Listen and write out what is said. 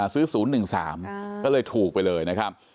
๐๑๓ก็เลยถูกไปเลยนะครับ